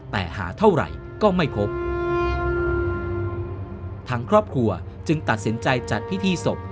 แต่หาเท่าไหร่ก็ไม่พบทางครอบครัวจึงตัดสินใจจัดพิธีศพ